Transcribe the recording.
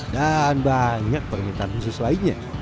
dan banyak permintaan khusus lainnya